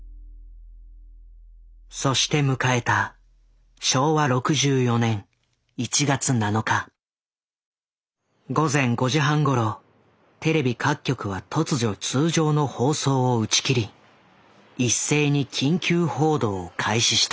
そして迎えた午前５時半ごろテレビ各局は突如通常の放送を打ち切り一斉に緊急報道を開始した。